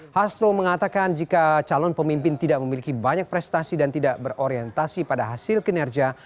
hasto mengatakan jika calon pemimpin tidak memiliki banyak prestasi dan tidak berorientasi pada hasil kinerja